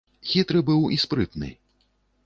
Хітры быў і спрытны.